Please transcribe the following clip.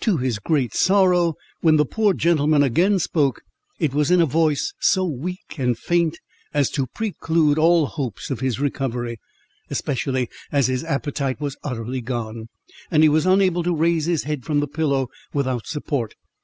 To his great sorrow, when the poor gentleman again spoke, it was in a voice so weak and faint, as to preclude all hopes of his recovery, especially as his appetite was utterly gone, and he was unable to raise his head from the pillow without support.